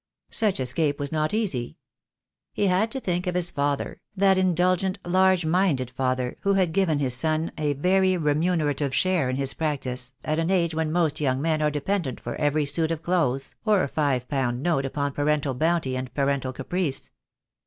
Such escape was not easy. He had to think of his father, that indulgent, large minded father who had given his son a very remunerative share in his practice at an age when most young men are dependent for every suit of clothes or five pound note upon parental bounty and parental caprice.